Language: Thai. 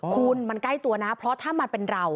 คุณมันใกล้ตัวนะเพราะถ้ามันเป็นเรา